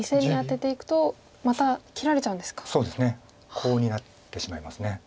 コウになってしまいます。